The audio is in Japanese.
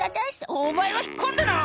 「お前は引っ込んでな！」